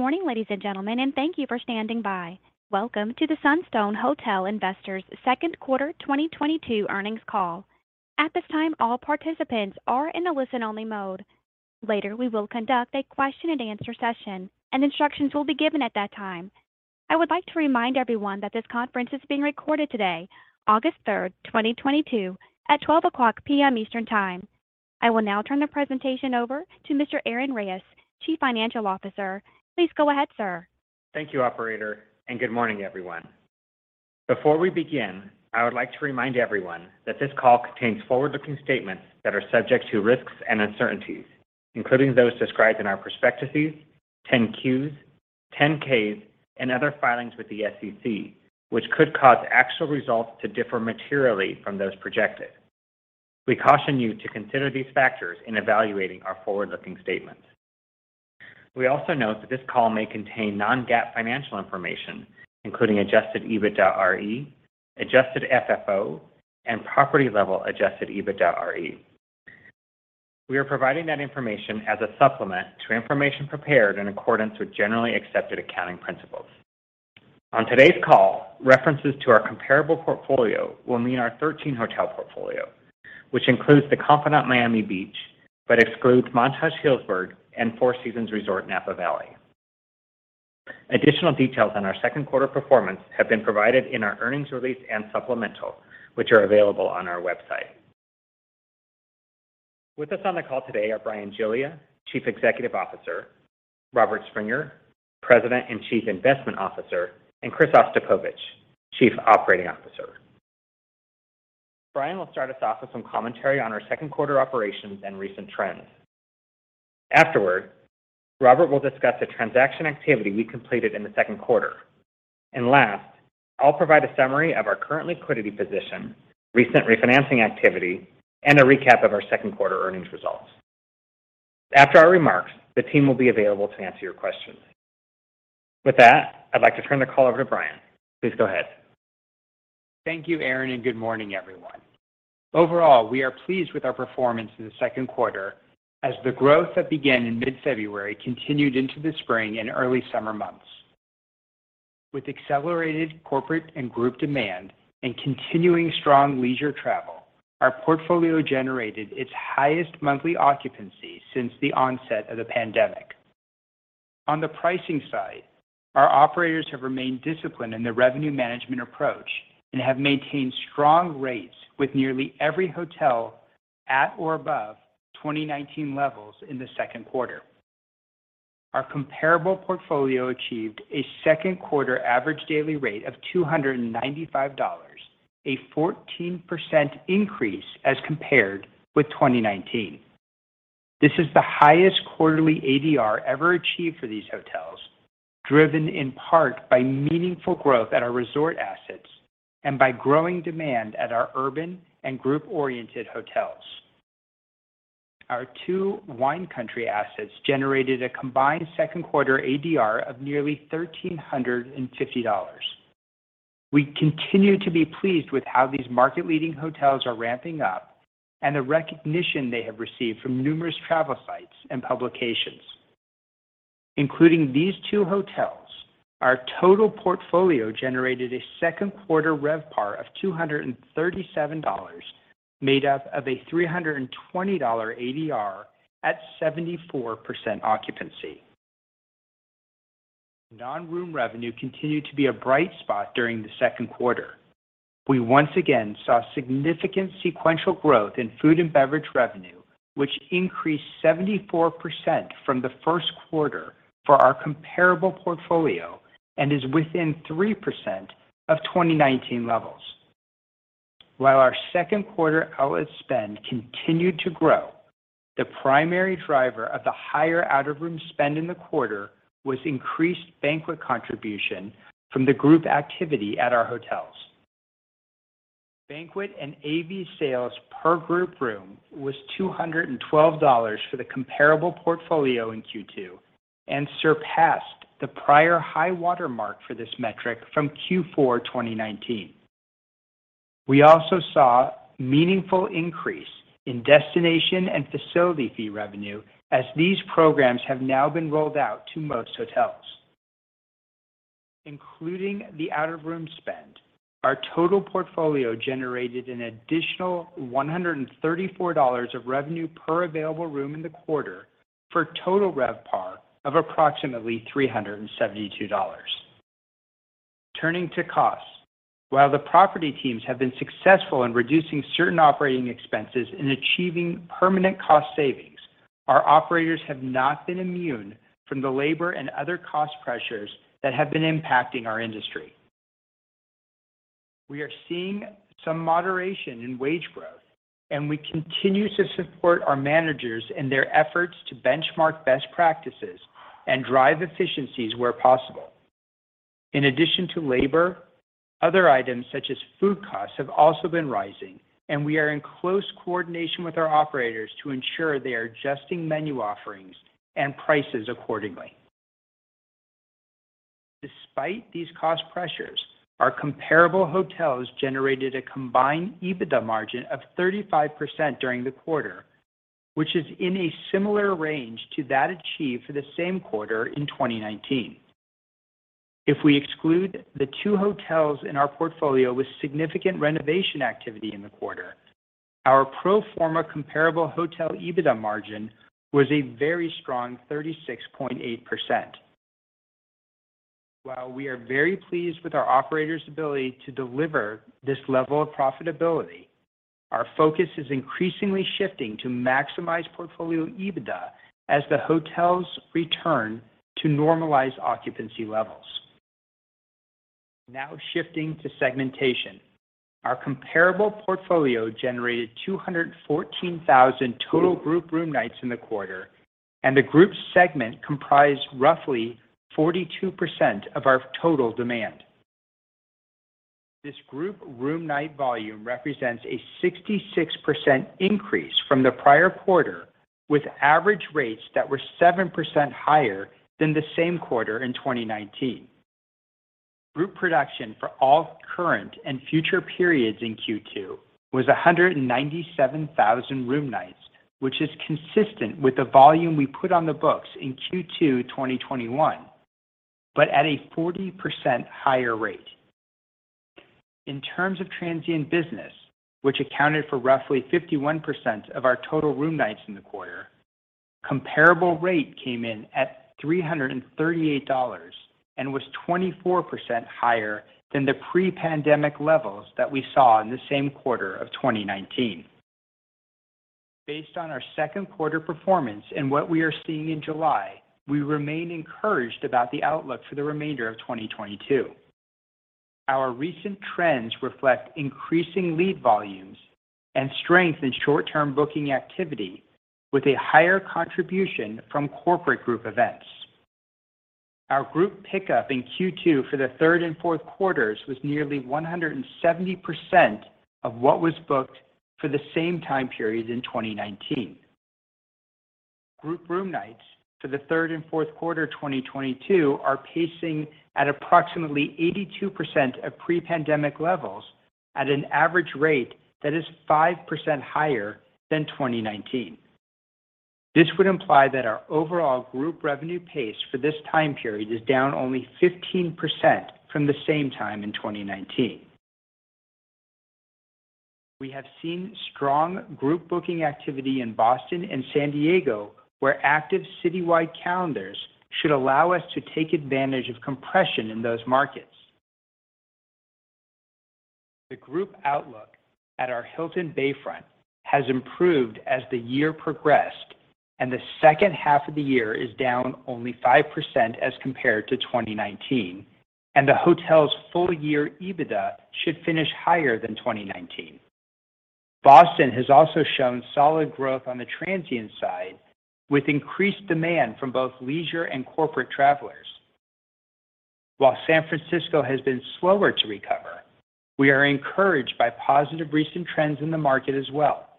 Good morning, ladies and gentlemen, and thank you for standing by. Welcome to the Sunstone Hotel Investors second quarter 2022 earnings call. At this time, all participants are in a listen-only mode. Later, we will conduct a question-and-answer session, and instructions will be given at that time. I would like to remind everyone that this conference is being recorded today, August 3rd, 2022, at 12:00 P.M. Eastern Time. I will now turn the presentation over to Mr. Aaron Reyes, Chief Financial Officer. Please go ahead, sir. Thank you, operator, and good morning, everyone. Before we begin, I would like to remind everyone that this call contains forward-looking statements that are subject to risks and uncertainties, including those described in our prospectuses, 10-Qs, 10-Ks and other filings with the SEC, which could cause actual results to differ materially from those projected. We caution you to consider these factors in evaluating our forward-looking statements. We also note that this call may contain non-GAAP financial information, including Adjusted EBITDAre, Adjusted FFO, and property-level Adjusted EBITDAre. We are providing that information as a supplement to information prepared in accordance with generally accepted accounting principles. On today's call, references to our comparable portfolio will mean our 13-hotel portfolio, which includes The Confidante Miami Beach, but excludes Montage Healdsburg and Four Seasons Resort Napa Valley. Additional details on our second quarter performance have been provided in our earnings release and supplemental, which are available on our website. With us on the call today are Bryan Giglia, Chief Executive Officer, Robert Springer, President and Chief Investment Officer, and Chris Ostapovicz, Chief Operating Officer. Bryan will start us off with some commentary on our second quarter operations and recent trends. Afterward, Robert will discuss the transaction activity we completed in the second quarter. Last, I'll provide a summary of our current liquidity position, recent refinancing activity, and a recap of our second quarter earnings results. After our remarks, the team will be available to answer your questions. With that, I'd like to turn the call over to Bryan. Please go ahead. Thank you, Aaron, and good morning, everyone. Overall, we are pleased with our performance in the second quarter as the growth that began in mid-February continued into the spring and early summer months. With accelerated corporate and group demand and continuing strong leisure travel, our portfolio generated its highest monthly occupancy since the onset of the pandemic. On the pricing side, our operators have remained disciplined in their revenue management approach and have maintained strong rates with nearly every hotel at or above 2019 levels in the second quarter. Our comparable portfolio achieved a second quarter average daily rate of $295, a 14% increase as compared with 2019. This is the highest quarterly ADR ever achieved for these hotels, driven in part by meaningful growth at our resort assets and by growing demand at our urban and group-oriented hotels. Our two wine country assets generated a combined second quarter ADR of nearly $1,350. We continue to be pleased with how these market-leading hotels are ramping up and the recognition they have received from numerous travel sites and publications. Including these two hotels, our total portfolio generated a second quarter RevPAR of $237, made up of a $320 ADR at 74% occupancy. Non-room revenue continued to be a bright spot during the second quarter. We once again saw significant sequential growth in food and beverage revenue, which increased 74% from the first quarter for our comparable portfolio and is within 3% of 2019 levels. While our second quarter out-of-room spend continued to grow, the primary driver of the higher out-of-room spend in the quarter was increased banquet contribution from the group activity at our hotels. Banquet and AV sales per group room was $212 for the comparable portfolio in Q2 and surpassed the prior high-water mark for this metric from Q4 2019. We also saw a meaningful increase in destination and facility fee revenue as these programs have now been rolled out to most hotels. Including the out-of-room spend, our total portfolio generated an additional $134 of revenue per available room in the quarter for total RevPAR of approximately $372. Turning to costs, while the property teams have been successful in reducing certain operating expenses and achieving permanent cost savings, our operators have not been immune from the labor and other cost pressures that have been impacting our industry. We are seeing some moderation in wage growth, and we continue to support our managers in their efforts to benchmark best practices and drive efficiencies where possible. In addition to labor, other items such as food costs have also been rising, and we are in close coordination with our operators to ensure they are adjusting menu offerings and prices accordingly. Despite these cost pressures, our comparable hotels generated a combined EBITDA margin of 35% during the quarter, which is in a similar range to that achieved for the same quarter in 2019. If we exclude the two hotels in our portfolio with significant renovation activity in the quarter, our pro forma comparable hotel EBITDA margin was a very strong 36.8%. While we are very pleased with our operators' ability to deliver this level of profitability, our focus is increasingly shifting to maximize portfolio EBITDA as the hotels return to normalized occupancy levels. Now shifting to segmentation. Our comparable portfolio generated 214,000 total group room nights in the quarter, and the group segment comprised roughly 42% of our total demand. This group room night volume represents a 66% increase from the prior quarter, with average rates that were 7% higher than the same quarter in 2019. Group production for all current and future periods in Q2 was 197,000 room nights, which is consistent with the volume we put on the books in Q2 2021, but at a 40% higher rate. In terms of transient business, which accounted for roughly 51% of our total room nights in the quarter, comparable rate came in at $338 and was 24% higher than the pre-pandemic levels that we saw in the same quarter of 2019. Based on our second quarter performance and what we are seeing in July, we remain encouraged about the outlook for the remainder of 2022. Our recent trends reflect increasing lead volumes and strength in short term booking activity with a higher contribution from corporate group events. Our group pickup in Q2 for the third and fourth quarters was nearly 170% of what was booked for the same time period in 2019. Group room nights for the third and fourth quarter 2022 are pacing at approximately 82% of pre-pandemic levels at an average rate that is 5% higher than 2019. This would imply that our overall group revenue pace for this time period is down only 15% from the same time in 2019. We have seen strong group booking activity in Boston and San Diego, where active citywide calendars should allow us to take advantage of compression in those markets. The group outlook at our Hilton San Diego Bayfront has improved as the year progressed, and the second half of the year is down only 5% as compared to 2019, and the hotel's full year EBITDA should finish higher than 2019. Boston has also shown solid growth on the transient side, with increased demand from both leisure and corporate travelers. While San Francisco has been slower to recover, we are encouraged by positive recent trends in the market as well.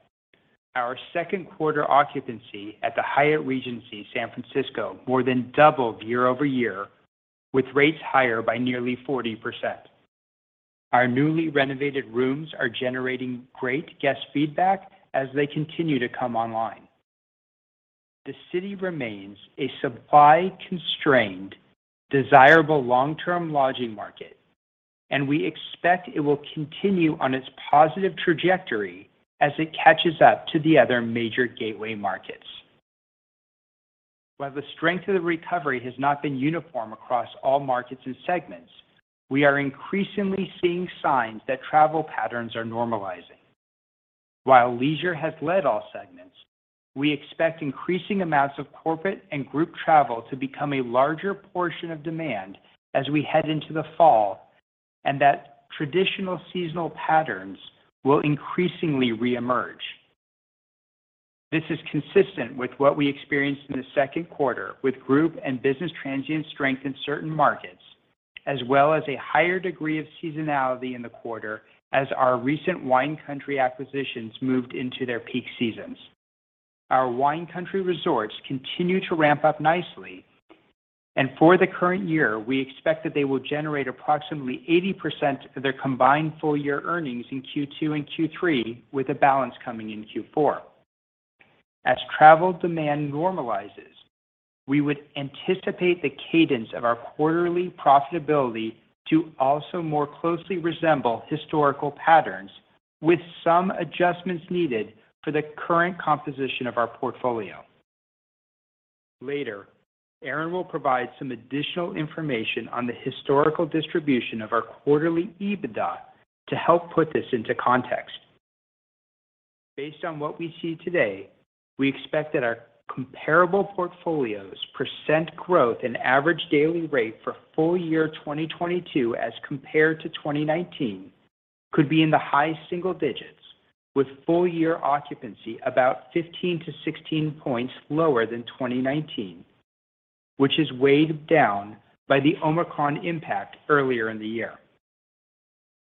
Our second quarter occupancy at the Hyatt Regency San Francisco more than doubled year-over-year, with rates higher by nearly 40%. Our newly renovated rooms are generating great guest feedback as they continue to come online. The city remains a supply-constrained, desirable long-term lodging market, and we expect it will continue on its positive trajectory as it catches up to the other major gateway markets. While the strength of the recovery has not been uniform across all markets and segments, we are increasingly seeing signs that travel patterns are normalizing. While leisure has led all segments, we expect increasing amounts of corporate and group travel to become a larger portion of demand as we head into the fall, and that traditional seasonal patterns will increasingly reemerge. This is consistent with what we experienced in the second quarter with group and business transient strength in certain markets, as well as a higher degree of seasonality in the quarter as our recent Wine Country acquisitions moved into their peak seasons. Our Wine Country resorts continue to ramp up nicely, and for the current year, we expect that they will generate approximately 80% of their combined full year earnings in Q2 and Q3, with a balance coming in Q4. As travel demand normalizes, we would anticipate the cadence of our quarterly profitability to also more closely resemble historical patterns, with some adjustments needed for the current composition of our portfolio. Later, Aaron will provide some additional information on the historical distribution of our quarterly EBITDA to help put this into context. Based on what we see today, we expect that our comparable portfolio's percent growth in average daily rate for full year 2022 as compared to 2019 could be in the high single digits, with full year occupancy about 15 to 16 points lower than 2019, which is weighed down by the Omicron impact earlier in the year.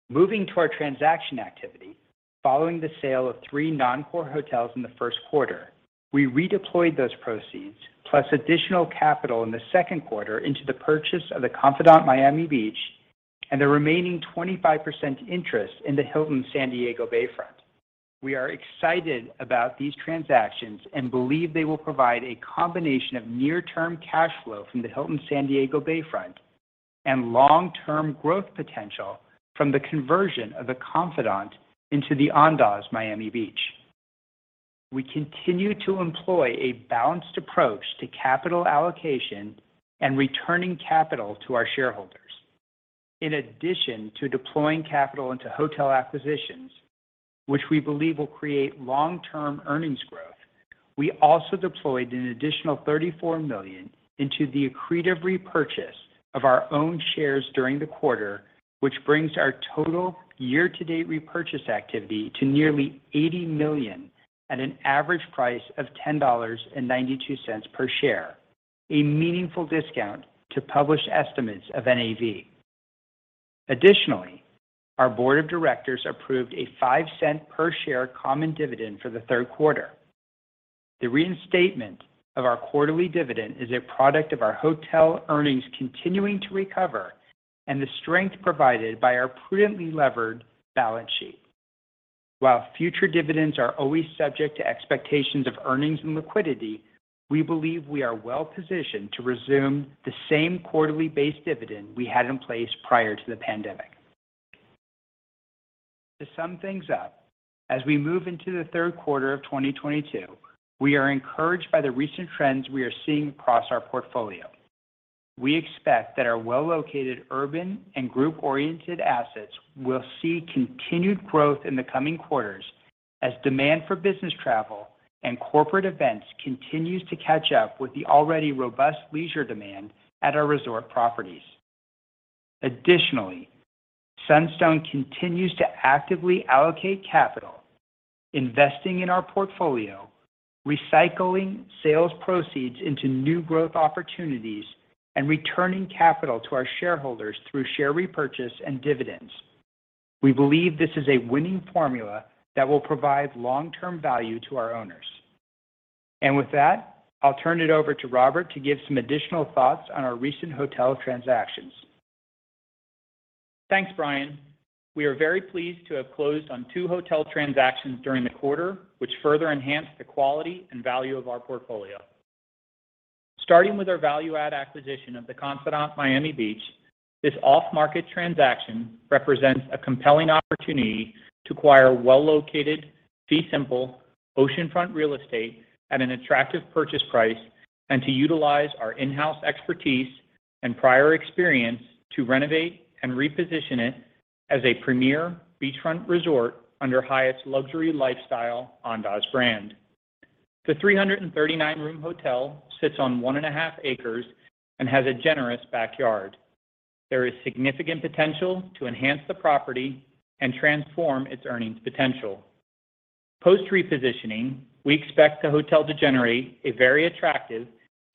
Moving to our transaction activity, following the sale of three non-core hotels in the first quarter, we redeployed those proceeds plus additional capital in the second quarter into the purchase of The Confidante Miami Beach and the remaining 25% interest in the Hilton San Diego Bayfront. We are excited about these transactions and believe they will provide a combination of near-term cash flow from the Hilton San Diego Bayfront and long-term growth potential from the conversion of The Confidante into the Andaz Miami Beach. We continue to employ a balanced approach to capital allocation and returning capital to our shareholders. In addition to deploying capital into hotel acquisitions, which we believe will create long-term earnings growth, we also deployed an additional $34 million into the accretive repurchase of our own shares during the quarter, which brings our total year to date repurchase activity to nearly $80 million at an average price of $10.92 per share, a meaningful discount to published estimates of NAV. Additionally, our board of directors approved a $0.05 per share common dividend for the third quarter. The reinstatement of our quarterly dividend is a product of our hotel earnings continuing to recover and the strength provided by our prudently levered balance sheet. While future dividends are always subject to expectations of earnings and liquidity, we believe we are well-positioned to resume the same quarterly base dividend we had in place prior to the pandemic. To sum things up, as we move into the third quarter of 2022, we are encouraged by the recent trends we are seeing across our portfolio. We expect that our well-located urban and group-oriented assets will see continued growth in the coming quarters as demand for business travel and corporate events continues to catch up with the already robust leisure demand at our resort properties. Additionally, Sunstone continues to actively allocate capital, investing in our portfolio, recycling sales proceeds into new growth opportunities, and returning capital to our shareholders through share repurchase and dividends. We believe this is a winning formula that will provide long-term value to our owners. With that, I'll turn it over to Robert to give some additional thoughts on our recent hotel transactions. Thanks, Bryan. We are very pleased to have closed on two hotel transactions during the quarter, which further enhanced the quality and value of our portfolio. Starting with our value add acquisition of The Confidante Miami Beach, this off-market transaction represents a compelling opportunity to acquire well-located, fee simple, oceanfront real estate at an attractive purchase price, and to utilize our in-house expertise and prior experience to renovate and reposition it as a premier beachfront resort under Hyatt's luxury lifestyle Andaz brand. The 339-room hotel sits on one and a half acres and has a generous backyard. There is significant potential to enhance the property and transform its earnings potential. Post repositioning, we expect the hotel to generate a very attractive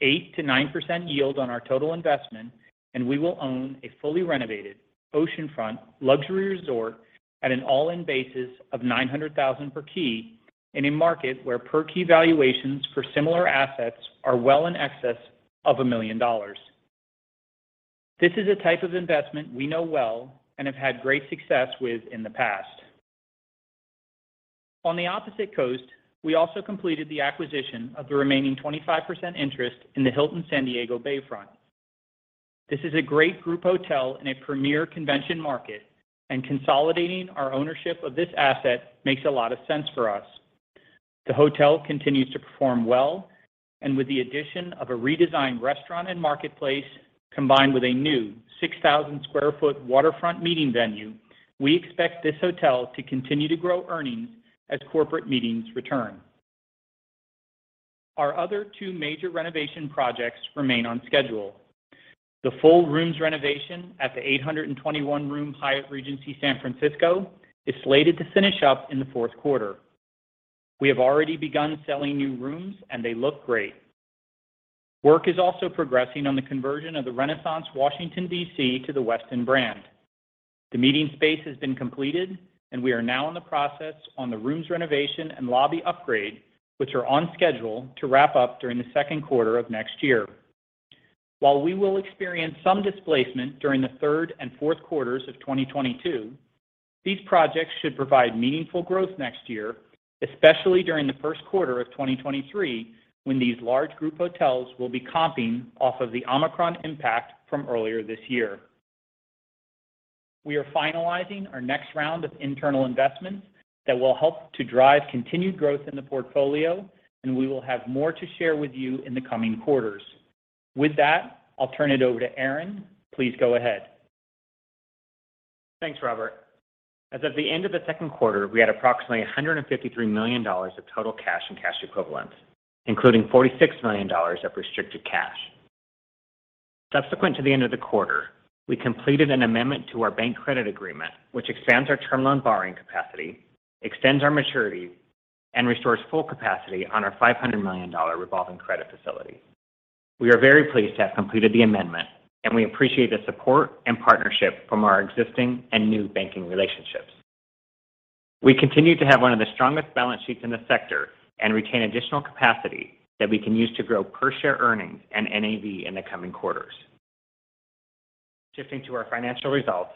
8% to 9% yield on our total investment, and we will own a fully renovated oceanfront luxury resort at an all-in basis of $900,000 per key in a market where per key valuations for similar assets are well in excess of $1 million. This is a type of investment we know well and have had great success with in the past. On the opposite coast, we also completed the acquisition of the remaining 25% interest in the Hilton San Diego Bayfront. This is a great group hotel in a premier convention market, and consolidating our ownership of this asset makes a lot of sense for us. The hotel continues to perform well, and with the addition of a redesigned restaurant and marketplace, combined with a new 6,000 sq ft waterfront meeting venue, we expect this hotel to continue to grow earnings as corporate meetings return. Our other two major renovation projects remain on schedule. The full rooms renovation at the 821-room Hyatt Regency San Francisco is slated to finish up in the fourth quarter. We have already begun selling new rooms, and they look great. Work is also progressing on the conversion of the Renaissance Washington, D.C. to the Westin brand. The meeting space has been completed, and we are now in the process on the rooms renovation and lobby upgrade, which are on schedule to wrap up during the second quarter of next year. While we will experience some displacement during the third and fourth quarters of 2022, these projects should provide meaningful growth next year, especially during the first quarter of 2023, when these large group hotels will be comping off of the Omicron impact from earlier this year. We are finalizing our next round of internal investments that will help to drive continued growth in the portfolio, and we will have more to share with you in the coming quarters. With that, I'll turn it over to Aaron. Please go ahead. Thanks, Robert. As of the end of the second quarter, we had approximately $153 million of total cash and cash equivalents, including $46 million of restricted cash. Subsequent to the end of the quarter, we completed an amendment to our bank credit agreement, which expands our term loan borrowing. Extends our maturity, and restores full capacity on our $500 million revolving credit facility. We are very pleased to have completed the amendment, and we appreciate the support and partnership from our existing and new banking relationships. We continue to have one of the strongest balance sheets in the sector and retain additional capacity that we can use to grow per share earnings and NAV in the coming quarters. Shifting to our financial results,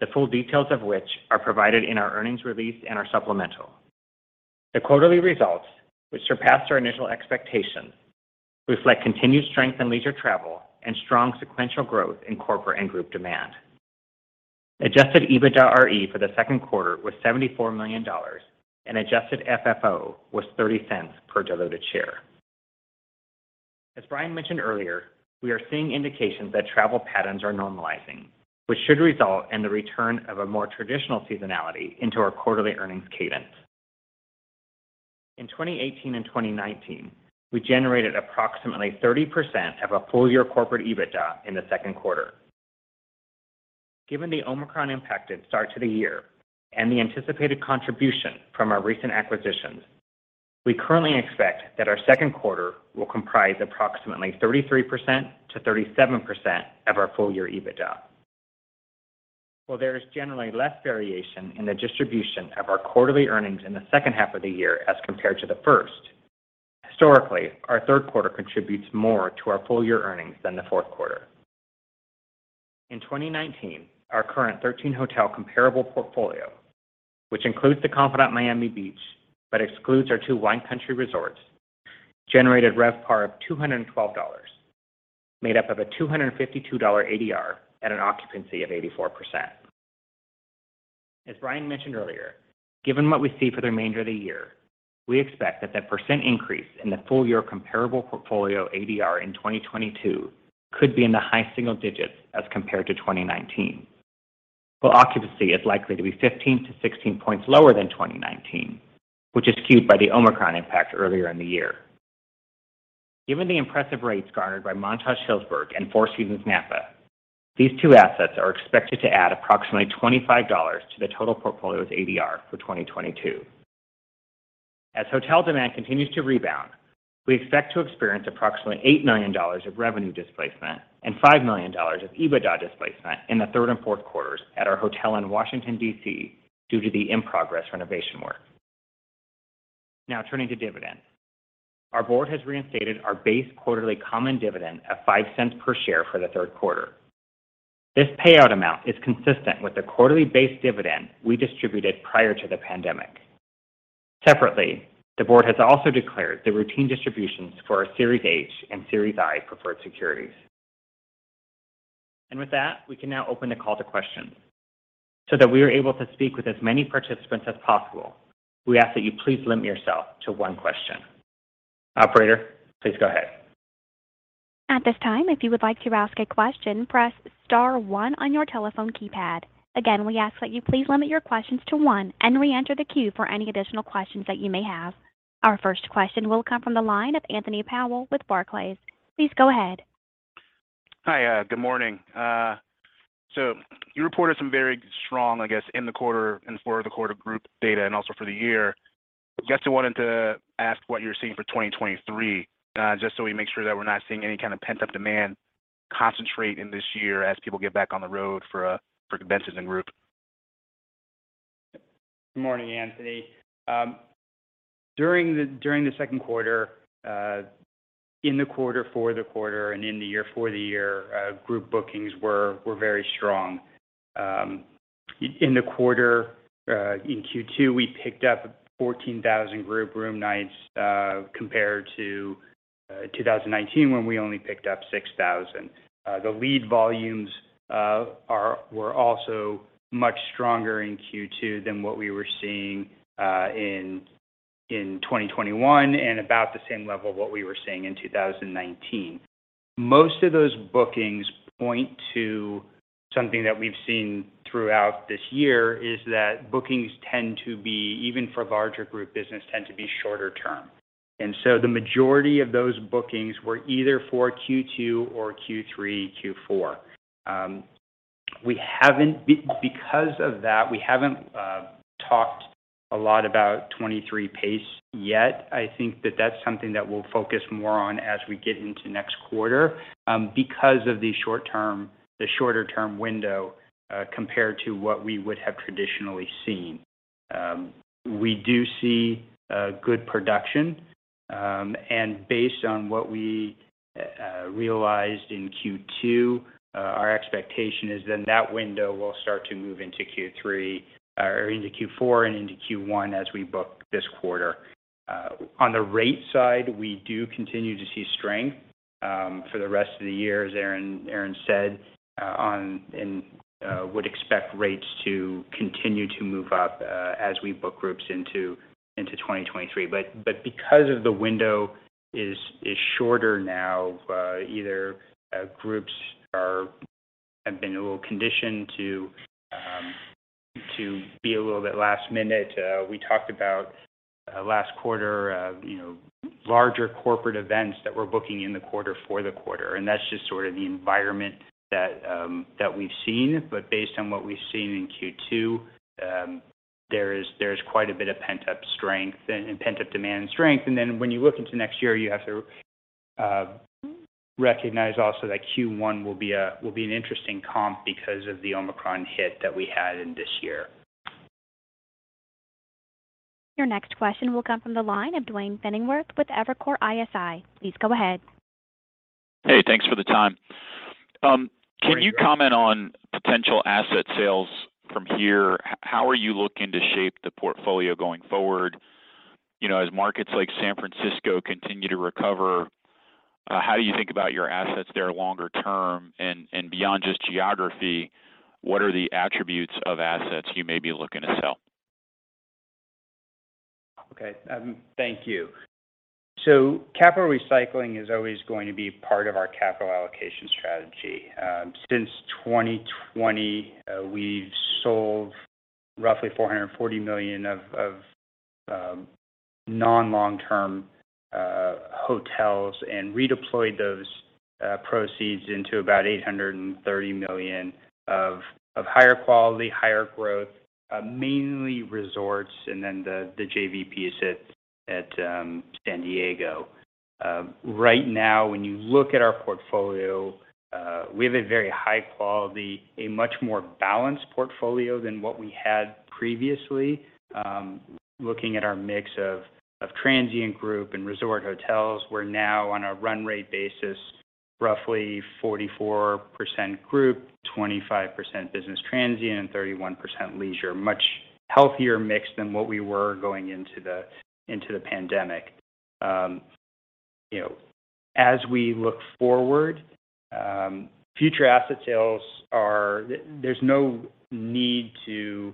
the full details of which are provided in our earnings release and our supplemental. The quarterly results, which surpassed our initial expectations, reflect continued strength in leisure travel and strong sequential growth in corporate and group demand. Adjusted EBITDAre for the second quarter was $74 million, and Adjusted FFO was $0.30 per diluted share. As Bryan mentioned earlier, we are seeing indications that travel patterns are normalizing, which should result in the return of a more traditional seasonality into our quarterly earnings cadence. In 2018 and 2019, we generated approximately 30% of a full year corporate EBITDA in the second quarter. Given the Omicron-impacted start to the year and the anticipated contribution from our recent acquisitions, we currently expect that our second quarter will comprise approximately 33% to 37% of our full year EBITDA. While there is generally less variation in the distribution of our quarterly earnings in the second half of the year as compared to the first, historically, our third quarter contributes more to our full year earnings than the fourth quarter. In 2019, our current 13 hotel comparable portfolio, which includes The Confidante Miami Beach, but excludes our two Wine Country resorts, generated RevPAR of $212, made up of a $252 ADR at an occupancy of 84%. As Brian mentioned earlier, given what we see for the remainder of the year, we expect that the % increase in the full year comparable portfolio ADR in 2022 could be in the high single digits as compared to 2019. While occupancy is likely to be 15 to 16 points lower than 2019, which is skewed by the Omicron impact earlier in the year. Given the impressive rates garnered by Montage Healdsburg and Four Seasons Napa, these two assets are expected to add approximately $25 to the total portfolio's ADR for 2022. As hotel demand continues to rebound, we expect to experience approximately $8 million of revenue displacement and $5 million of EBITDA displacement in the third and fourth quarters at our hotel in Washington, D.C., due to the in-progress renovation work. Now turning to dividends. Our board has reinstated our base quarterly common dividend of $0.05 per share for the third quarter. This payout amount is consistent with the quarterly base dividend we distributed prior to the pandemic. Separately, the board has also declared the routine distributions for our Series H and Series I preferred securities. With that, we can now open the call to questions. That we are able to speak with as many participants as possible, we ask that you please limit yourself to one question. Operator, please go ahead. At this time, if you would like to ask a question, press star one on your telephone keypad. Again, we ask that you please limit your questions to one and reenter the queue for any additional questions that you may have. Our first question will come from the line of Anthony Powell with Barclays. Please go ahead. Hi. Good morning. You reported some very strong, I guess, in the quarter and for the quarter group data and also for the year. I guess I wanted to ask what you're seeing for 2023, just so we make sure that we're not seeing any kind of pent-up demand concentrated in this year as people get back on the road for conventions and group. Morning, Anthony. During the second quarter, for the quarter and for the year, group bookings were very strong. In the quarter, in Q2, we picked up 14,000 group room nights, compared to 2019 when we only picked up 6,000. The lead volumes were also much stronger in Q2 than what we were seeing in 2021 and about the same level of what we were seeing in 2019. Most of those bookings point to something that we've seen throughout this year, is that bookings tend to be, even for larger group business, shorter term. The majority of those bookings were either for Q2 or Q3, Q4. Because of that, we haven't talked a lot about 2023 pace yet. I think that's something that we'll focus more on as we get into next quarter, because of the shorter term window compared to what we would have traditionally seen. We do see good production. Based on what we realized in Q2, our expectation is then that window will start to move into Q3 or into Q4 and into Q1 as we book this quarter. On the rate side, we do continue to see strength for the rest of the year, as Aaron said, and would expect rates to continue to move up as we book groups into 2023. Because the window is shorter now, groups have been a little conditioned to be a little bit last minute. We talked about last quarter, you know, larger corporate events that we're booking in the quarter for the quarter, and that's just sort of the environment that we've seen. Based on what we've seen in Q2, there is quite a bit of pent-up strength and pent-up demand and strength. Then when you look into next year, you have to recognize also that Q1 will be an interesting comp because of the Omicron hit that we had in this year. Your next question will come from the line of Duane Pfennigwerth with Evercore ISI. Please go ahead. Hey, thanks for the time. Great. Can you comment on potential asset sales from here? How are you looking to shape the portfolio going forward? You know, as markets like San Francisco continue to recover, how do you think about your assets there longer term? And beyond just geography, what are the attributes of assets you may be looking to sell? Okay. Thank you. Capital recycling is always going to be part of our capital allocation strategy. Since 2020, we've sold roughly $440 million of non-long-term hotels and redeployed those proceeds into about $830 million of higher quality, higher growth, mainly resorts and then the JVP at San Diego. Right now, when you look at our portfolio, we have a very high quality, a much more balanced portfolio than what we had previously. Looking at our mix of transient group and resort hotels, we're now on a run rate basis, roughly 44% group, 25% business transient, and 31% leisure. Much healthier mix than what we were going into the pandemic. You know, as we look forward, future asset sales are. There's no need to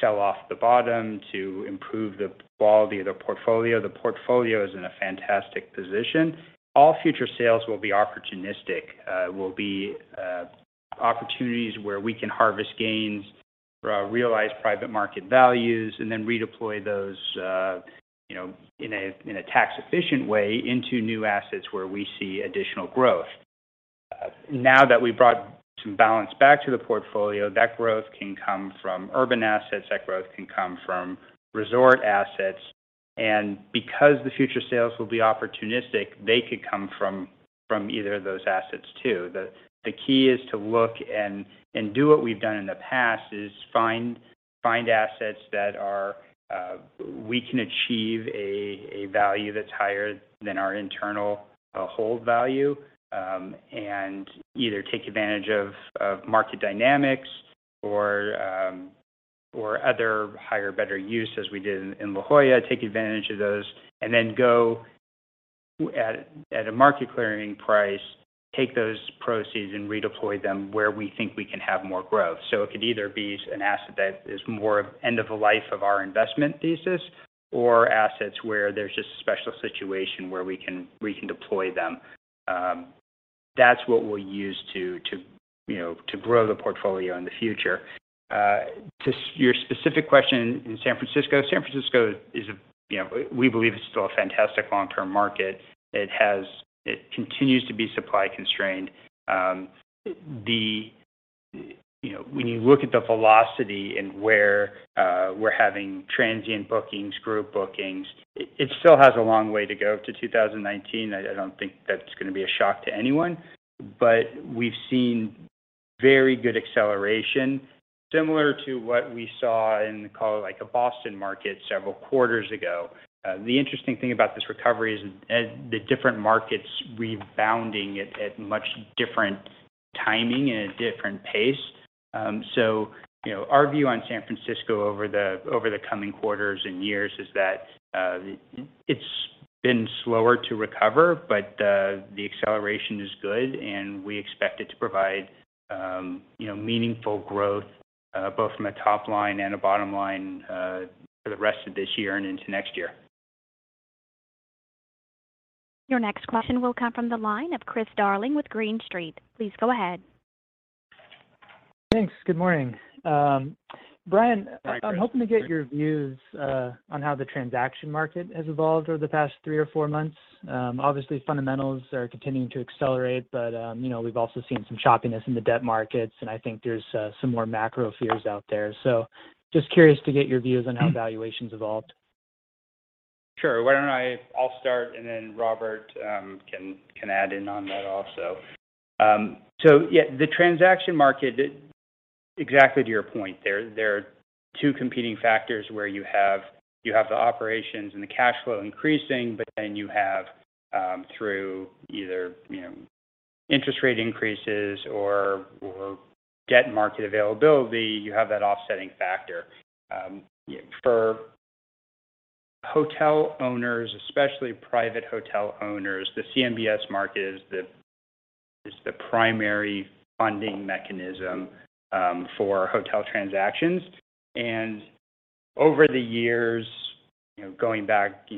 sell off the bottom to improve the quality of the portfolio. The portfolio is in a fantastic position. All future sales will be opportunistic opportunities where we can harvest gains, realize private market values, and then redeploy those, you know, in a tax-efficient way into new assets where we see additional growth. Now that we've brought some balance back to the portfolio, that growth can come from urban assets, that growth can come from resort assets. Because the future sales will be opportunistic, they could come from either of those assets too. The key is to look and do what we've done in the past is find assets that we can achieve a value that's higher than our internal hold value and either take advantage of market dynamics or other higher, better use, as we did in La Jolla, take advantage of those. Then go at a market clearing price, take those proceeds and redeploy them where we think we can have more growth. It could either be an asset that is more end of a life of our investment thesis or assets where there's just a special situation where we can deploy them. That's what we'll use to you know to grow the portfolio in the future. To your specific question in San Francisco, San Francisco is a, you know, we believe it's still a fantastic long-term market. It has. It continues to be supply constrained. You know, when you look at the velocity and where we're having transient bookings, group bookings, it still has a long way to go to 2019. I don't think that's gonna be a shock to anyone. We've seen very good acceleration, similar to what we saw in, call it, like a Boston market several quarters ago. The interesting thing about this recovery is, the different markets rebounding at much different timing and a different pace. You know, our view on San Francisco over the coming quarters and years is that it's been slower to recover, but the acceleration is good, and we expect it to provide, you know, meaningful growth both from a top line and a bottom line for the rest of this year and into next year. Your next question will come from the line of Chris Darling with Green Street. Please go ahead. Thanks. Good morning. Bryan- Hi, Chris. I'm hoping to get your views on how the transaction market has evolved over the past three or four months. Obviously, fundamentals are continuing to accelerate, but you know, we've also seen some choppiness in the debt markets, and I think there's some more macro fears out there. Just curious to get your views on how valuations evolved. Sure. Why don't I start, and then Robert can add in on that also. Yeah, the transaction market, exactly to your point, there are two competing factors where you have the operations and the cash flow increasing, but then you have, through either, you know, interest rate increases or debt market availability, you have that offsetting factor. For hotel owners, especially private hotel owners, the CMBS market is the primary funding mechanism for hotel transactions. Over the years, you know, going back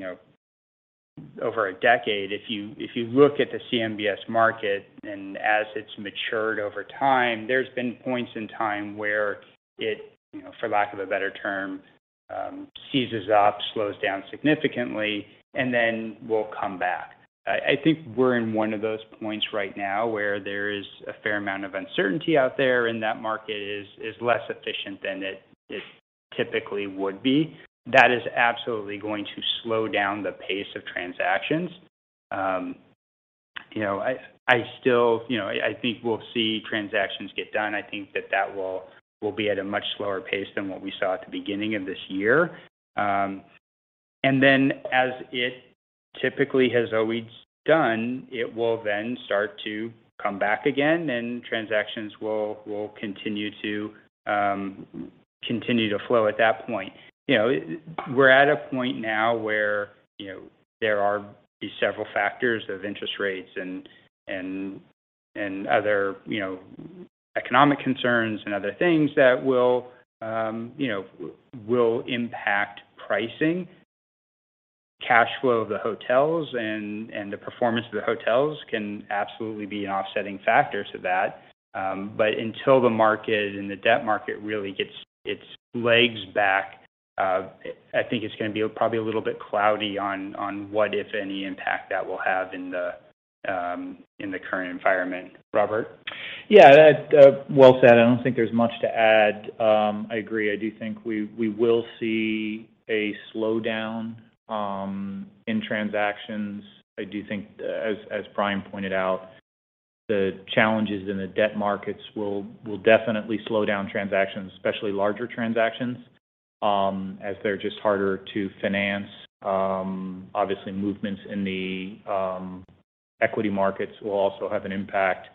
over a decade, if you look at the CMBS market and as it's matured over time, there's been points in time where it, you know, for lack of a better term, seizes up, slows down significantly, and then will come back. I think we're in one of those points right now where there is a fair amount of uncertainty out there, and that market is less efficient than it typically would be. That is absolutely going to slow down the pace of transactions. You know, I still. You know, I think we'll see transactions get done. I think that will be at a much slower pace than what we saw at the beginning of this year. Then as it typically has always done, it will then start to come back again, and transactions will continue to flow at that point. You know, we're at a point now where you know, there are these several factors of interest rates and other you know, economic concerns and other things that will impact pricing. Cash flow of the hotels and the performance of the hotels can absolutely be an offsetting factor to that. Until the market and the debt market really gets its legs back, I think it's gonna be probably a little bit cloudy on what, if any, impact that will have in the current environment. Robert? Yeah. That, well said. I don't think there's much to add. I agree. I do think we will see a slowdown in transactions. I do think, as Bryan pointed out, the challenges in the debt markets will definitely slow down transactions, especially larger transactions, as they're just harder to finance. Obviously movements in the equity markets will also have an impact,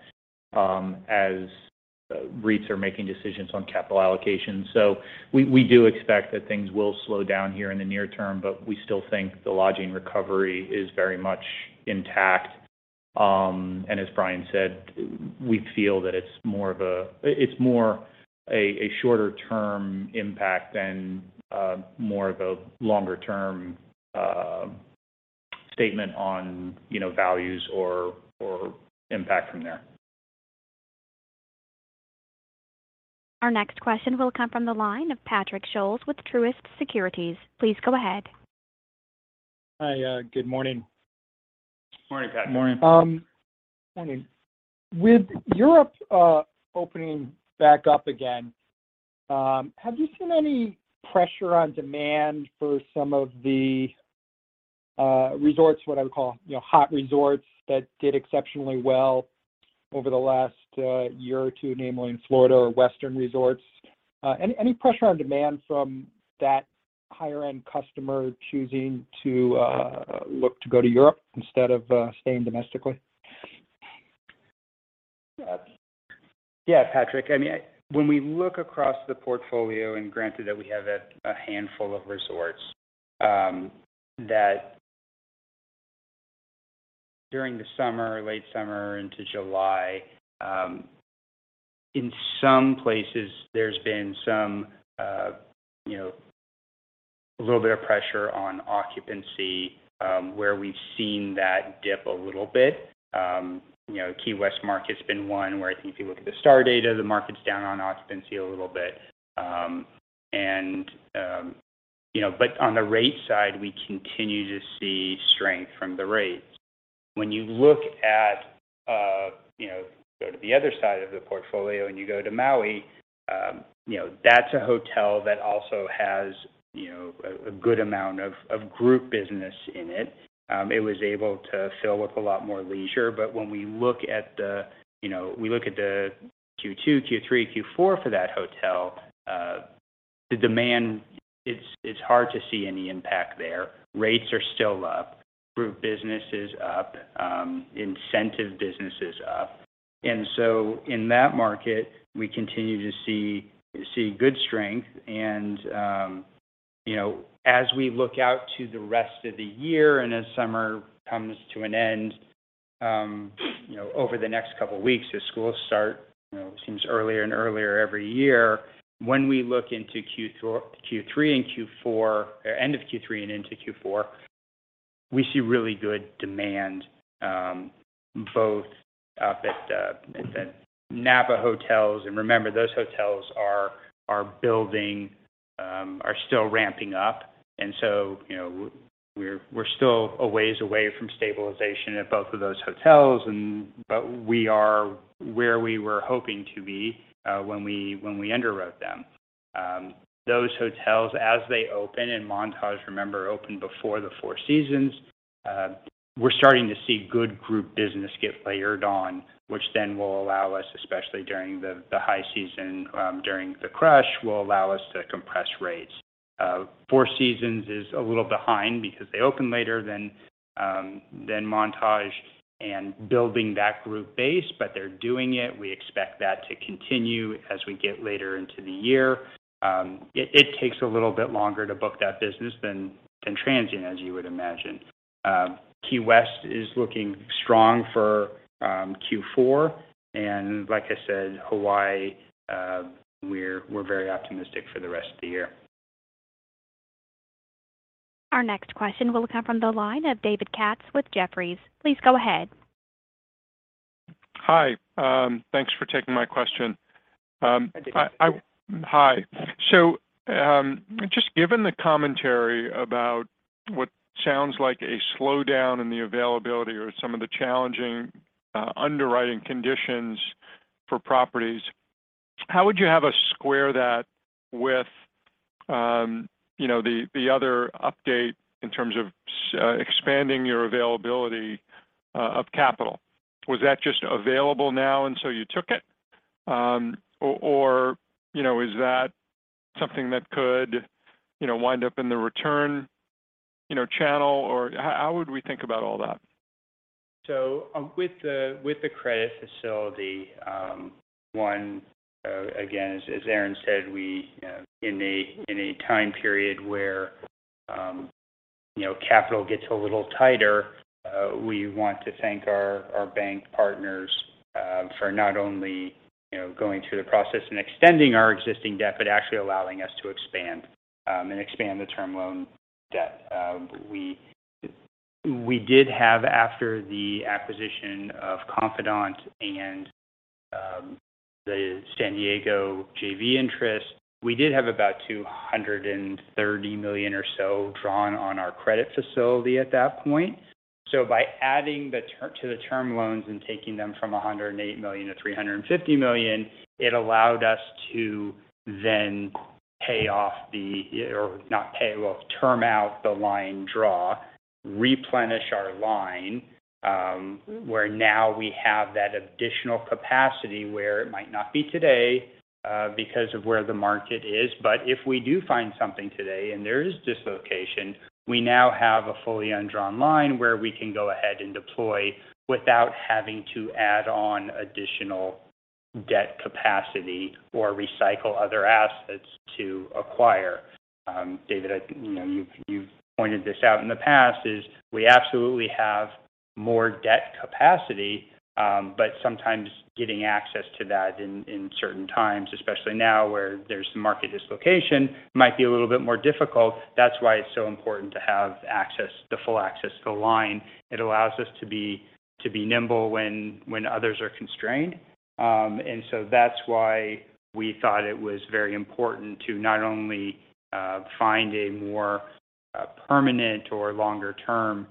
as REITs are making decisions on capital allocation. We do expect that things will slow down here in the near term, but we still think the lodging recovery is very much intact. As Bryan said, we feel that it's more of a shorter term impact than more of a longer term statement on, you know, values or impact from there. Our next question will come from the line of Patrick Scholes with Truist Securities. Please go ahead. Hi. Good morning. Morning, Patrick. Morning. Morning. With Europe opening back up again, have you seen any pressure on demand for some of the resorts, what I would call, you know, hot resorts that did exceptionally well over the last year or two, namely in Florida or Western resorts? Any pressure on demand from that higher end customer choosing to look to go to Europe instead of staying domestically? Yeah, Patrick. I mean, when we look across the portfolio, and granted that we have a handful of resorts that during the summer, late summer into July, in some places there's been some, you know, a little bit of pressure on occupancy, where we've seen that dip a little bit. You know, Key West market's been one where I think if you look at the STAR data, the market's down on occupancy a little bit. You know, but on the rate side, we continue to see strength from the rates. When you look at, you know, go to the other side of the portfolio and you go to Maui, you know, that's a hotel that also has, you know, a good amount of group business in it. It was able to fill with a lot more leisure. When we look at the Q2, Q3, Q4 for that hotel, the demand, it's hard to see any impact there. Rates are still up. Group business is up. Incentive business is up. In that market, we continue to see good strength. You know, as we look out to the rest of the year and as summer comes to an end, you know, over the next couple of weeks as schools start, you know, it seems earlier and earlier every year, when we look into Q3 and Q4 or end of Q3 and into Q4, we see really good demand, both up at the Napa hotels. Remember, those hotels are building, are still ramping up. You know, we're still a ways away from stabilization at both of those hotels. But we are where we were hoping to be when we underwrote them. Those hotels as they open, and Montage remember opened before the Four Seasons, we're starting to see good group business get layered on, which then will allow us, especially during the high season, during the crush, will allow us to compress rates. Four Seasons is a little behind because they open later than than Montage and building that group base, but they're doing it. We expect that to continue as we get later into the year. It takes a little bit longer to book that business than transient, as you would imagine. Key West is looking strong for Q4. Like I said, Hawaii, we're very optimistic for the rest of the year. Our next question will come from the line of David Katz with Jefferies. Please go ahead. Hi, thanks for taking my question. Hi, David. Hi. Just given the commentary about what sounds like a slowdown in the availability or some of the challenging underwriting conditions for properties, how would you have us square that with, you know, the other update in terms of expanding your availability of capital? Was that just available now and so you took it? Or, you know, is that something that could, you know, wind up in the return, you know, channel? Or how would we think about all that? With the credit facility, again, as Aaron said, in a time period where, you know, capital gets a little tighter, we want to thank our bank partners for not only, you know, going through the process and extending our existing debt, but actually allowing us to expand the term loan debt. We did have, after the acquisition of Confidante and the San Diego JV interest, about $230 million or so drawn on our credit facility at that point. By adding to the term loans and taking them from $108 million to $350 million, it allowed us to term out the line draw, replenish our line, where now we have that additional capacity, where it might not be today, because of where the market is. If we do find something today, and there is dislocation, we now have a fully undrawn line where we can go ahead and deploy without having to add on additional debt capacity or recycle other assets to acquire. David, you know, you've pointed this out in the past, is we absolutely have more debt capacity, but sometimes getting access to that in certain times, especially now where there's market dislocation, might be a little bit more difficult. That's why it's so important to have access, the full access to the line. It allows us to be nimble when others are constrained. That's why we thought it was very important to not only find a more permanent or longer term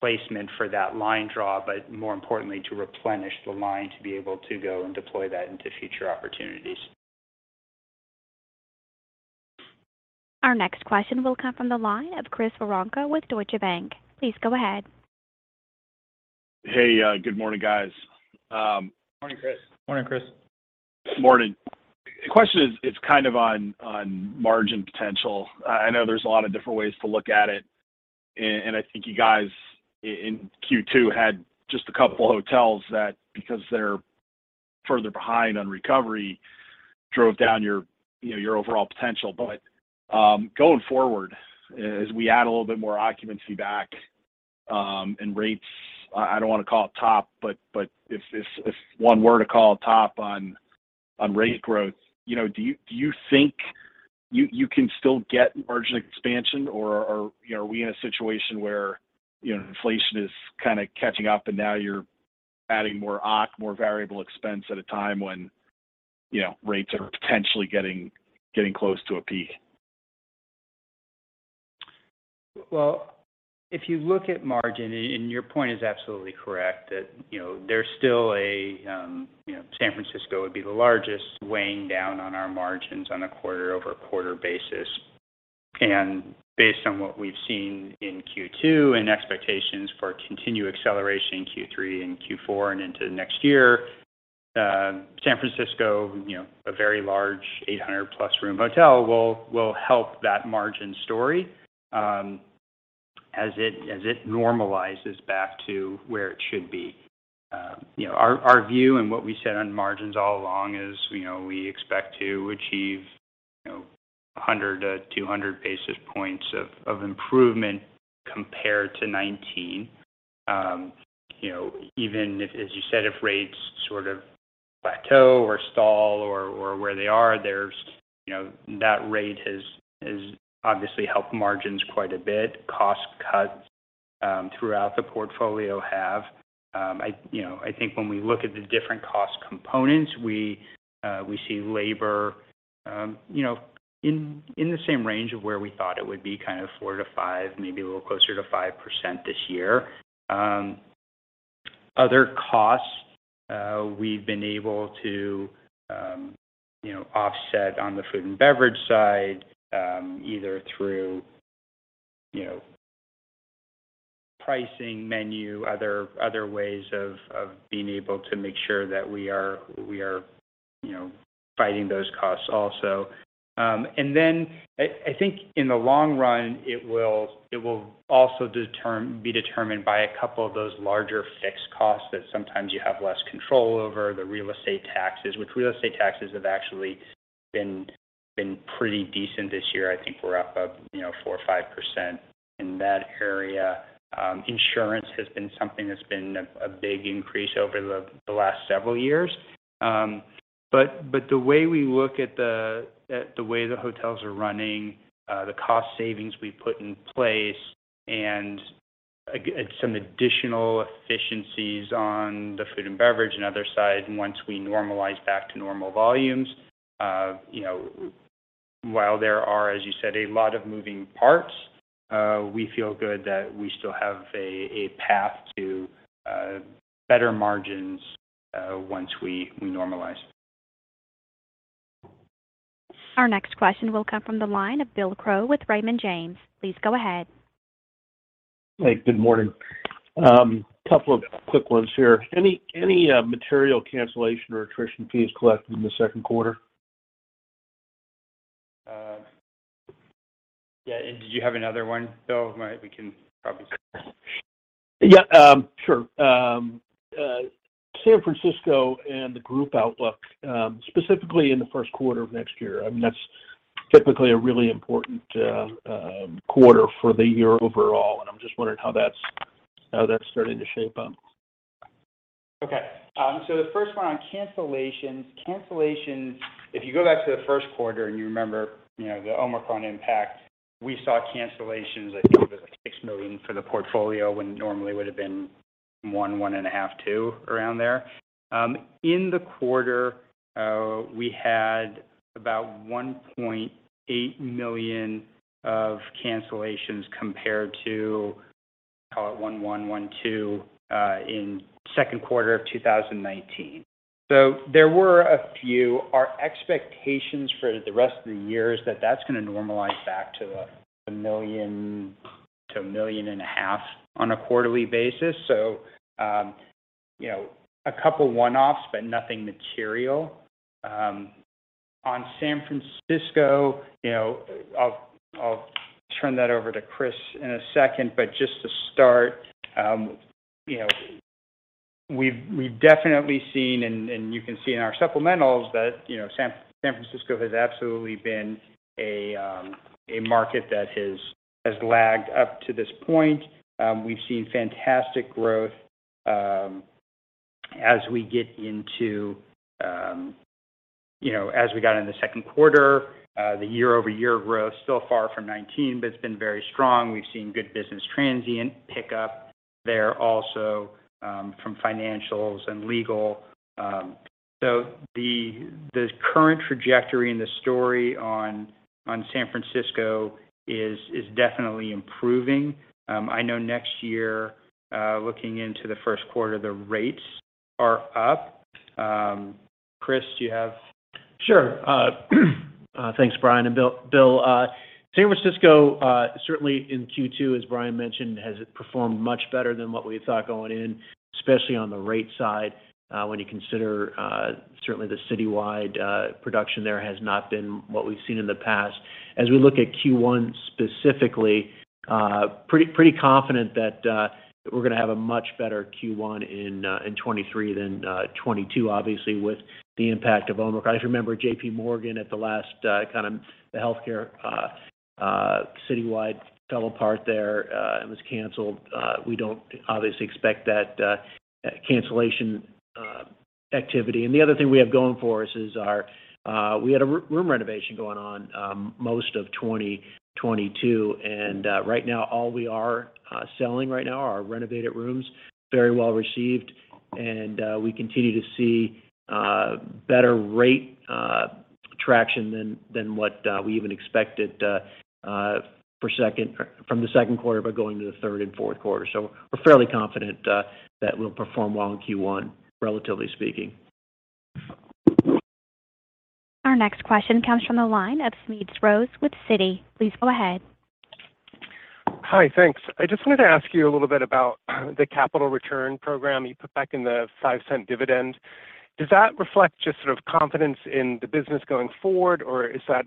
placement for that line draw, but more importantly, to replenish the line to be able to go and deploy that into future opportunities. Our next question will come from the line of Chris Woronka with Deutsche Bank. Please go ahead. Hey, good morning, guys. Morning, Chris. Morning, Chris. Morning. The question is, it's kind of on margin potential. I know there's a lot of different ways to look at it, and I think you guys in Q2 had just a couple of hotels that, because they're further behind on recovery, drove down your, you know, your overall potential. Going forward, as we add a little bit more occupancy back, and rates, I don't wanna call it top, but if one were to call a top on rate growth, you know, do you think you can still get margin expansion? Or are we in a situation where, you know, inflation is kinda catching up and now you're adding more variable expense at a time when, you know, rates are potentially getting close to a peak? Well, if you look at margin, and your point is absolutely correct, that you know there's still you know San Francisco would be the largest weighing down on our margins on a quarter-over-quarter basis. Based on what we've seen in Q2 and expectations for continued acceleration in Q3 and Q4 and into next year, San Francisco you know a very large 800-plus room hotel will help that margin story as it normalizes back to where it should be. You know our view and what we said on margins all along is you know we expect to achieve you know 100-200 basis points of improvement compared to 2019. You know, even if, as you said, if rates sort of plateau or stall or where they are, there's you know that rate has obviously helped margins quite a bit. Cost cuts throughout the portfolio have. You know, I think when we look at the different cost components, we see labor you know in the same range of where we thought it would be, kind of 4% to 5%, maybe a little closer to 5% this year. Other costs, we've been able to you know offset on the food and beverage side, either through you know pricing, menu, other ways of being able to make sure that we are you know fighting those costs also. I think in the long run, it will also be determined by a couple of those larger fixed costs that sometimes you have less control over, the real estate taxes, which real estate taxes have actually been pretty decent this year. I think we're up, you know, 4% or 5% in that area. Insurance has been something that's been a big increase over the last several years. The way we look at the way the hotels are running, the cost savings we put in place and some additional efficiencies on the food and beverage and other sides once we normalize back to normal volumes. You know, while there are, as you said, a lot of moving parts, we feel good that we still have a path to better margins once we normalize. Our next question will come from the line of Bill Crow with Raymond James. Please go ahead. Hey, good morning. Couple of quick ones here. Any material cancellation or attrition fees collected in the second quarter? Yeah. Did you have another one, Bill? We can probably- Yeah. Sure. San Francisco and the group outlook, specifically in the first quarter of next year, I mean, that's typically a really important quarter for the year overall, and I'm just wondering how that's starting to shape up? Okay. The first one on cancellations. Cancellations, if you go back to the first quarter and you remember, you know, the Omicron impact, we saw cancellations, I think it was like 6 million for the portfolio, when normally it would've been 1.5, 2 around there. In the quarter, we had about 1.8 million of cancellations compared to, call it, 1.1.2 in second quarter of 2019. There were a few. Our expectations for the rest of the year is that that's gonna normalize back to 1 million to 1.5 million on a quarterly basis. You know, a couple one-offs, but nothing material. On San Francisco, you know, I'll turn that over to Chris in a second, but just to start, you know, we've definitely seen and you can see in our supplementals that, you know, San Francisco has absolutely been a market that has lagged up to this point. We've seen fantastic growth, as we get into, you know, as we got in the second quarter, the year-over-year growth still far from 19%, but it's been very strong. We've seen good business transient pickup there also, from financials and legal. So the current trajectory and the story on San Francisco is definitely improving. I know next year, looking into the first quarter, the rates are up. Chris, do you have... Sure. Thanks, Bryan and Bill. Bill, San Francisco certainly in Q2, as Bryan mentioned, has performed much better than what we thought going in, especially on the rate side, when you consider certainly the citywide production there has not been what we've seen in the past. As we look at Q1 specifically, pretty confident that we're gonna have a much better Q1 in 2023 than 2022 obviously, with the impact of Omicron. As you remember, JPMorgan at the last kind of the healthcare citywide fell apart there and was canceled. We don't obviously expect that cancellation activity. The other thing we have going for us is we had a room renovation going on most of 2022. Right now, all we are selling right now are our renovated rooms. Very well received, we continue to see better rate traction than what we even expected from the second quarter, but going to the third and fourth quarter. We're fairly confident that we'll perform well in Q1, relatively speaking. Our next question comes from the line of Smedes Rose with Citi. Please go ahead. Hi. Thanks. I just wanted to ask you a little bit about the capital return program. You put back in the $0.05 dividend. Does that reflect just sort of confidence in the business going forward, or is that,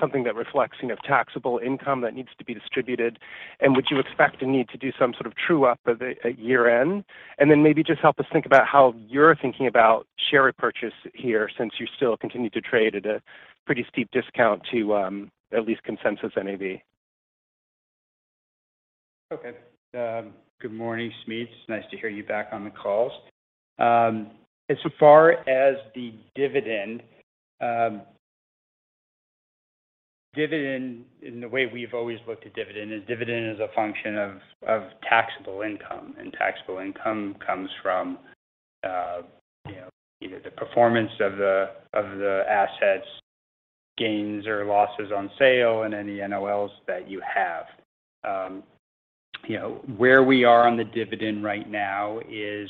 something that reflects, you know, taxable income that needs to be distributed? And would you expect a need to do some sort of true up at year-end? And then maybe just help us think about how you're thinking about share repurchase here, since you still continue to trade at a pretty steep discount to, at least consensus NAV. Okay. Good morning, Smedes. Nice to hear you back on the calls. As far as the dividend, the dividend in the way we've always looked at dividend is a function of taxable income, and taxable income comes from you know either the performance of the assets, gains or losses on sale and any NOLs that you have. You know where we are on the dividend right now is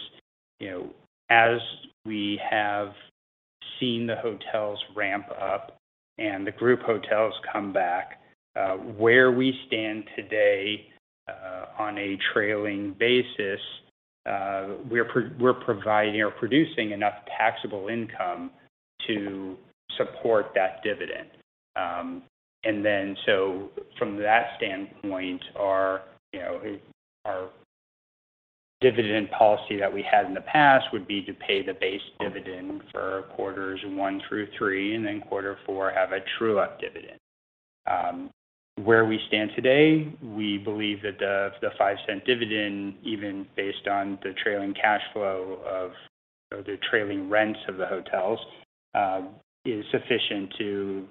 you know as we have seen the hotels ramp up and the group hotels come back, where we stand today on a trailing basis, we're providing or producing enough taxable income to support that dividend. From that standpoint, our, you know, our dividend policy that we had in the past would be to pay the base dividend for quarters one through three, and then quarter four have a true up dividend. Where we stand today, we believe that the $0.05 dividend, even based on the trailing cash flow of the trailing rents of the hotels, is sufficient to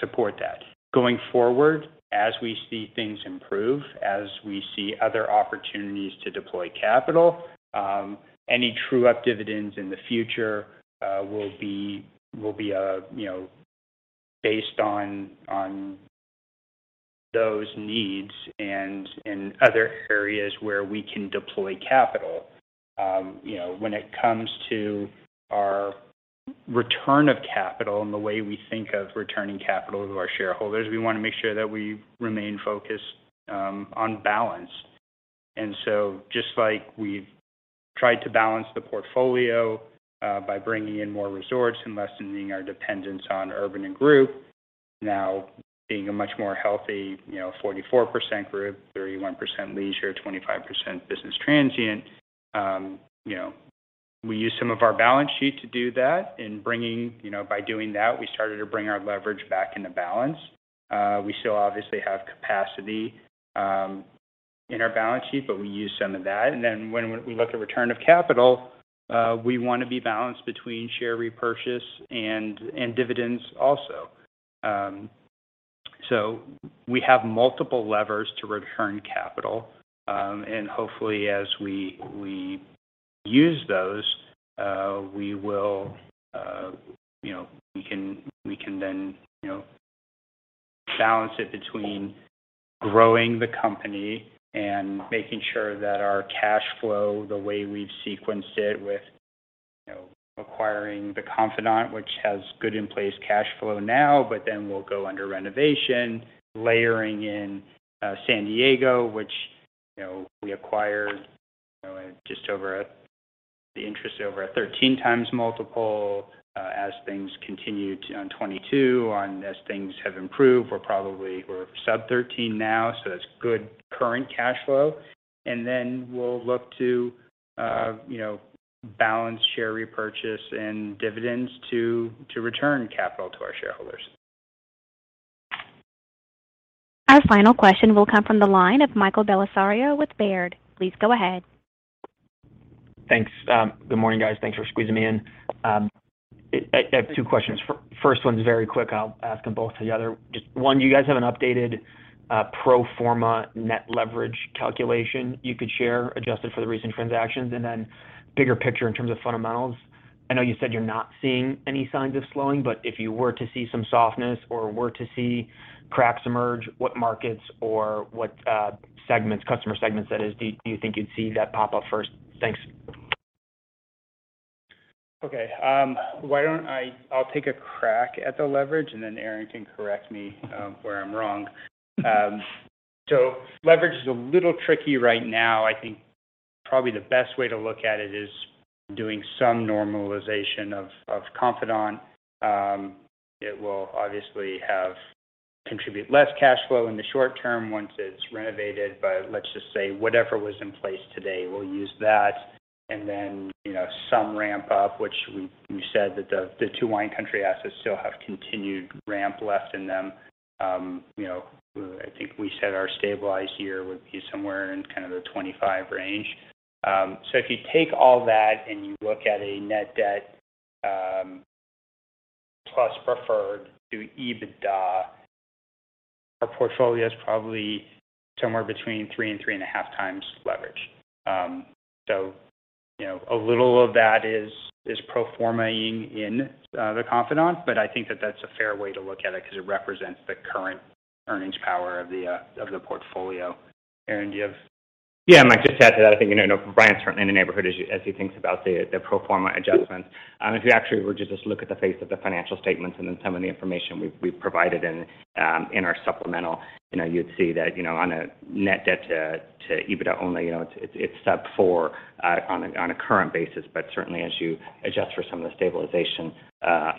support that. Going forward, as we see things improve, as we see other opportunities to deploy capital, any true up dividends in the future will be, you know, based on those needs and other areas where we can deploy capital. You know, when it comes to our return of capital and the way we think of returning capital to our shareholders, we want to make sure that we remain focused on balance. Just like we've tried to balance the portfolio by bringing in more resorts and lessening our dependence on urban and group. Now being a much more healthy, you know, 44% group, 31% leisure, 25% business transient. You know, we use some of our balance sheet to do that. By doing that, we started to bring our leverage back into balance. We still obviously have capacity in our balance sheet, but we use some of that. When we look at return of capital, we wanna be balanced between share repurchase and dividends also. We have multiple levers to return capital. Hopefully as we use those, we will, you know, we can then, you know, balance it between growing the company and making sure that our cash flow, the way we've sequenced it with, you know, acquiring The Confidante, which has good in place cash flow now, but then we'll go under renovation, layering in, San Diego, which, you know, we acquired just over the JV interest over a 13x multiple. As things continued in 2022 and as things have improved, we're probably sub-13 now, so that's good current cash flow. We'll look to, you know, balance share repurchase and dividends to return capital to our shareholders. Our final question will come from the line of Michael Bellisario with Baird. Please go ahead. Thanks. Good morning, guys. Thanks for squeezing me in. I have two questions. First one's very quick. I'll ask them both together. Just one, do you guys have an updated pro forma net leverage calculation you could share adjusted for the recent transactions? And then bigger picture in terms of fundamentals. I know you said you're not seeing any signs of slowing, but if you were to see some softness or were to see cracks emerge, what markets or what segments, customer segments that is, do you think you'd see that pop up first? Thanks. Okay, why don't I take a crack at the leverage, and then Aaron can correct me where I'm wrong. Leverage is a little tricky right now. I think probably the best way to look at it is doing some normalization of Confidante. It will obviously have to contribute less cash flow in the short term once it's renovated, but let's just say whatever was in place today, we'll use that. Then, you know, some ramp up, which we said that the two Wine Country assets still have continued ramp left in them. You know, I think we said our stabilized year would be somewhere in kind of the 25 range. If you take all that and you look at a net debt plus preferred to EBITDA, our portfolio is probably somewhere between three and three and a half leverage. You know, a little of that is pro forma-ing in The Confidante, but I think that's a fair way to look at it because it represents the current earnings power of the portfolio. Aaron, do you have Yeah, Mike, just add to that. I think, you know, Bryan's certainly in the neighborhood as he thinks about the pro forma adjustments. If you actually were to just look at the face of the financial statements and then some of the information we've provided in our supplemental, you know, you'd see that, you know, on a net debt to EBITDA only, you know, it's sub four on a current basis. But certainly as you adjust for some of the stabilization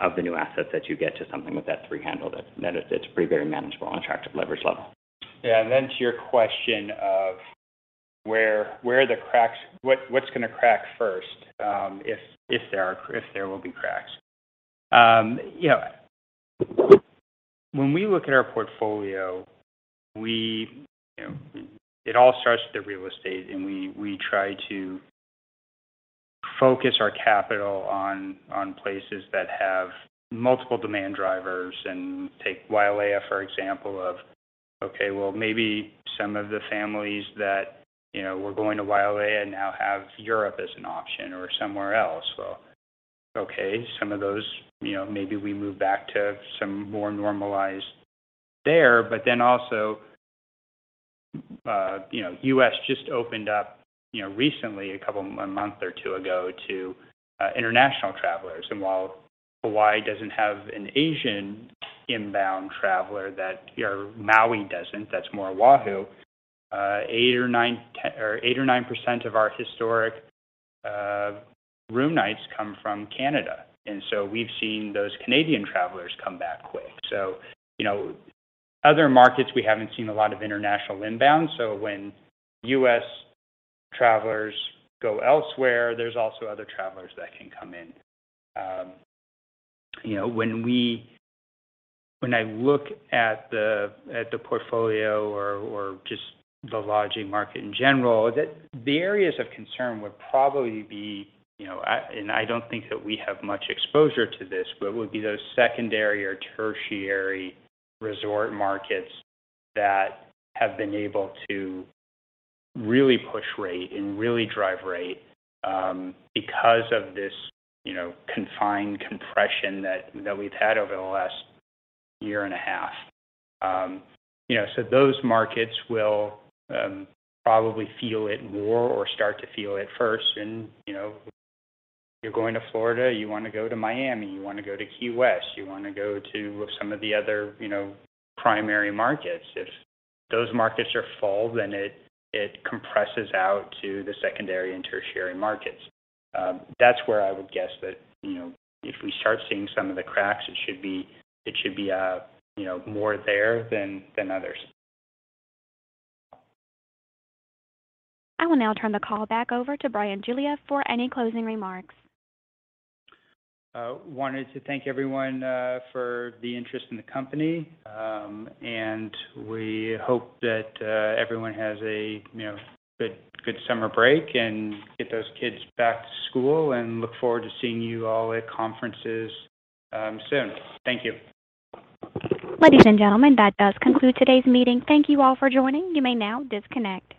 of the new assets that you get to something with that three handle, that net is pretty very manageable and attractive leverage level. Yeah. To your question of where are the cracks, what's gonna crack first, if there will be cracks. You know, when we look at our portfolio, you know, it all starts with the real estate, and we try to focus our capital on places that have multiple demand drivers. Take Wailea, for example, okay, well, maybe some of the families that, you know, were going to Wailea now have Europe as an option or somewhere else. Well, okay, some of those, you know, maybe we move back to some more normalized there. Also, you know, U.S. just opened up, you know, recently, a month or two ago, to international travelers. While Hawaii doesn't have an Asian inbound traveler that, or Maui doesn't, that's more Oahu, 8 or 9% of our historic room nights come from Canada. We've seen those Canadian travelers come back quick. You know, other markets, we haven't seen a lot of international inbound. When U.S. travelers go elsewhere, there's also other travelers that can come in. You know, when I look at the portfolio or just the lodging market in general, the areas of concern would probably be, you know, and I don't think that we have much exposure to this, but it would be those secondary or tertiary resort markets that have been able to really push rate and really drive rate, because of this, you know, demand compression that we've had over the last year and a half. You know, so those markets will probably feel it more or start to feel it first. You know, you're going to Florida, you wanna go to Miami, you wanna go to Key West, you wanna go to some of the other, you know, primary markets. If those markets are full, then it compresses out to the secondary and tertiary markets. That's where I would guess that, you know, if we start seeing some of the cracks, it should be, you know, more there than others. I will now turn the call back over to Bryan Giglia for any closing remarks. Wanted to thank everyone for the interest in the company. We hope that everyone has a you know good summer break and get those kids back to school and look forward to seeing you all at conferences soon. Thank you. Ladies and gentlemen, that does conclude today's meeting. Thank you all for joining. You may now disconnect.